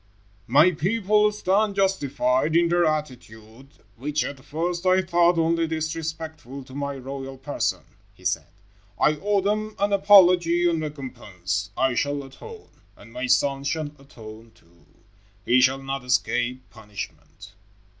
"My people stand justified in their attitude which at first I thought only disrespectful to my royal person," he said. "I owe them an apology and recompense. I shall atone. And my son shall atone, too. He shall not escape punishment."